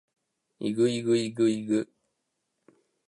ｲｸﾞｲｸﾞｲｸﾞｲｸﾞ